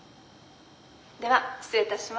「では失礼いたします」。